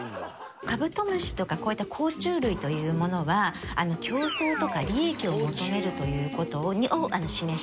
カブトムシとかこういった甲虫類というものは競争とか利益を求めるという事を示しているんですね。